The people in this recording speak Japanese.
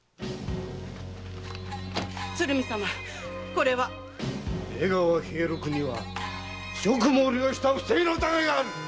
これは⁉江川兵六には職務を利用した不正の疑いがある！